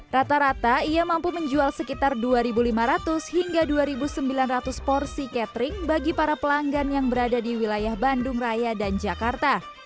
rata rata ia mampu menjual sekitar dua lima ratus hingga dua sembilan ratus porsi catering bagi para pelanggan yang berada di wilayah bandung raya dan jakarta